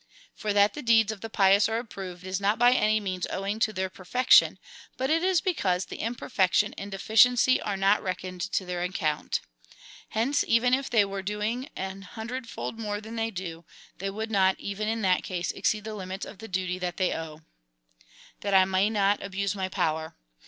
For that the deeds of the pious are approved, is not by any means owing to their perfection, but it is because the imperfection and deficiency are not reckoned to their account. Hence even if they Avere doing an hundred fold more than they do, they would not, even in that case, exceed the limits of the duty that they owe. That I may not abuse my power.